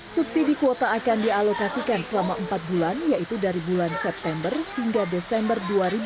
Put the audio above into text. subsidi kuota akan dialokasikan selama empat bulan yaitu dari bulan september hingga desember dua ribu dua puluh